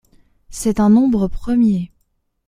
C'est un nombre premier.